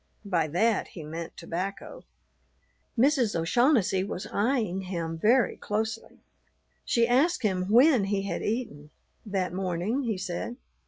By that he meant tobacco. Mrs. O'Shaughnessy was eyeing him very closely. She asked him when he had eaten. That morning, he said.